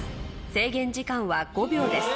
制限時間は５秒です